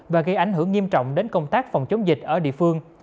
và gây ảnh hưởng nghiêm trọng đến công tác phòng chống dịch ở địa phương